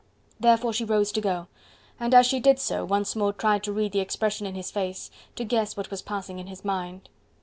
Therefore she rose to go, and as she did so, once more tried to read the expression in his face... to guess what was passing in his mind.